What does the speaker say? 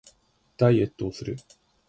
ダイエットをする